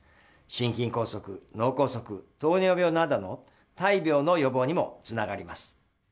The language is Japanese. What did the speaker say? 心筋梗塞、脳梗塞、糖尿病などの大病の予防にもつながります。